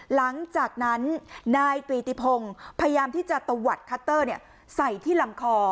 หลังจากนั้นนายตรีติพงศ์พยายามที่จะตะวัดคัตเตอร์ใส่ที่ลำคอ